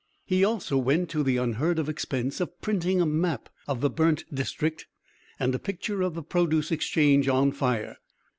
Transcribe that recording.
He also went to the unheard of expense of printing a map of the burnt district and a picture of the Produce Exchange on fire.